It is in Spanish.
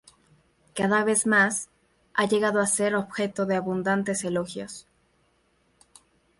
Cada vez más, ha llegado a ser objeto de abundantes elogios.